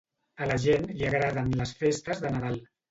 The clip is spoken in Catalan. A la gent li agraden les festes de Nadal.